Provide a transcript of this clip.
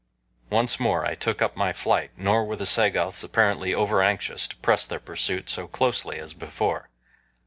Once more I took up my flight, nor were the Sagoths apparently overanxious to press their pursuit so closely as before.